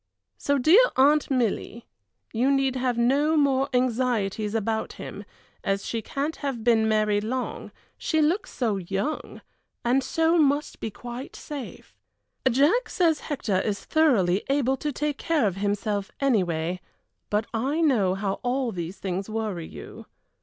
So, dear Aunt Milly, you need have no more anxieties about him, as she can't have been married long, she looks so young, and so must be quite safe. Jack says Hector is thoroughly able to take care of himself, anyway, but I know how all these things worry you.